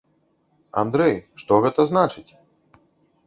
Андрэй, што гэта значыць?